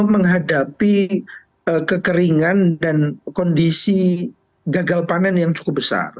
menghadapi kekeringan dan kondisi gagal panen yang cukup besar